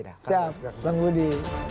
siap bang budi